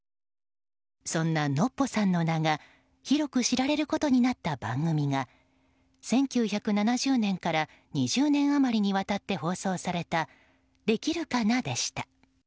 そんなのっぽさんの名が広く知られることになった番組が１９７０年から２０年余りにわたって放送された「できるかな」でした。